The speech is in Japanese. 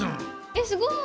えっすごい！